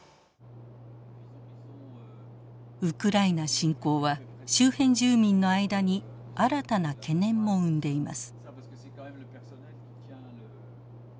ウクライナ侵攻は周辺住民の間に新たな懸念も生んでいます。